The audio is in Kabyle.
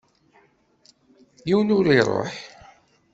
Yiwen ur iṛuḥ.